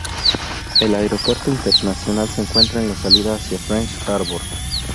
El aeropuerto internacional se encuentra en la salida hacia French Harbor.